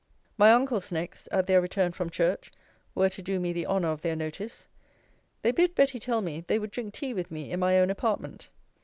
My uncles next, (at their return from church) were to do me the honour of their notice. They bid Betty tell me, they would drink tea with me in my own apartment.